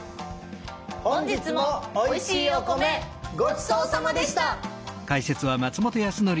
本日もおいしいお米ごちそうさまでした。